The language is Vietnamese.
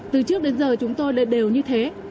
từ trước đến giờ chúng tôi đều như thế